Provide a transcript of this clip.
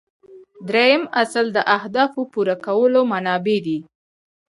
دریم اصل د اهدافو پوره کولو منابع دي.